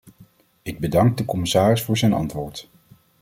Ik bedank de commissaris voor zijn antwoord.